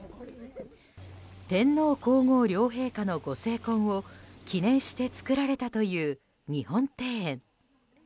天皇・皇后両陛下のご成婚を記念して造られたという日本庭園。